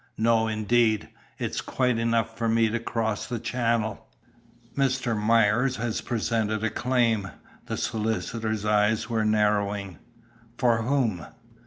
"No, indeed! It's quite enough for me to cross the channel." "Mr. Myers has presented a claim." The solicitor's eyes were narrowing. "For whom?"